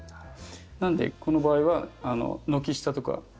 なのでこの場合は軒下とか簡易温室。